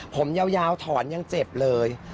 ผมยาวถอนยังเจ็บเลย